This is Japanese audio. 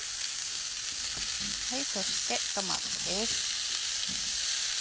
そしてトマトです。